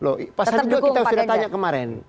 dukung pak ganjar pak sandi kita sudah tanya kemarin